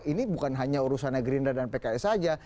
ini bukan hanya urusannya gerindra dan pks saja